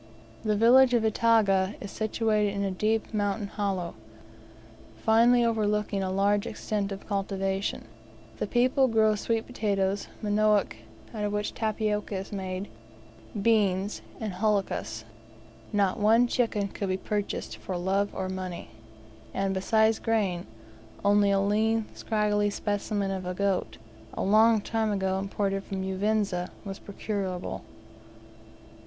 The village of Itaga is situated in a deep mountain hollow, finely overlooking a large extent of cultivation. The people grow sweet potatoes, manioc out of which tapioca is made beans, and the holcus. Not one chicken could be purchased for love or money, and, besides grain, only a lean, scraggy specimen of a goat, a long time ago imported form Uvinza, was procurable.